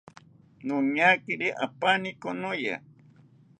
Noñakiri apaani konoya